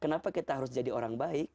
kenapa kita harus jadi orang baik